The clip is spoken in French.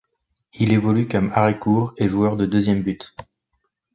Il évolue comme arrêt-court et joueur de deuxième but.